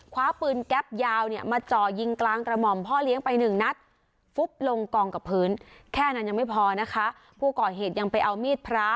คว้าปืนแก๊บยาวมาจ่อยิงกลางตระหม่อมพ่อเลี้ยงไปหนึ่งนัด